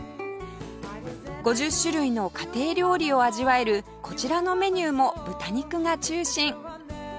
５０種類の家庭料理を味わえるこちらのメニューも豚肉が中心